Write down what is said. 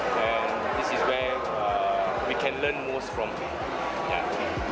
dan ini adalah tempat kita bisa belajar paling banyak dari